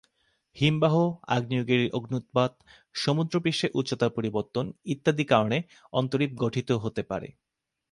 হিমবাহ, আগ্নেয়গিরির অগ্ন্যুৎপাত, সমুদ্রপৃষ্ঠের উচ্চতার পরিবর্তন ইত্যাদি কারণে অন্তরীপ গঠিত হতে পারে।